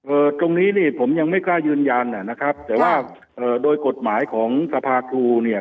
ตรงนี้นี่ผมยังไม่กล้ายืนยันอ่ะนะครับแต่ว่าเอ่อโดยกฎหมายของสภาครูเนี่ย